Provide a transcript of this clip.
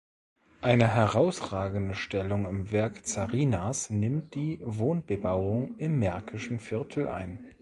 Eine herausragende Stellung im Werk Zarinas nimmt die Wohnbebauung im Märkischen Viertel ein.